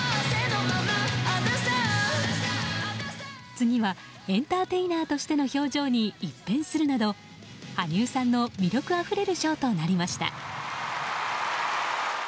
次はエンターテイナーとしての表情に一変するなど羽生さんの魅力あふれるショーとなりました。